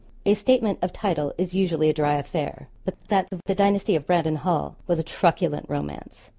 A 'statement of title' is usually a dry affair. But that of the dynasty of Brandon Hall was a truculent romance.